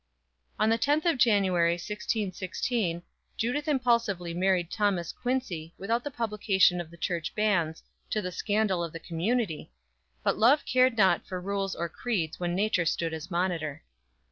_ On the 10th of January, 1616, Judith impulsively married Thomas Quincy, without the publication of the church banns, to the scandal of the community, but love cared naught for rules or creeds when Nature stood as monitor.